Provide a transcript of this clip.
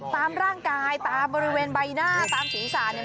ตามร่างกายตามบริเวณใบหน้าตามศีรษะเนี่ย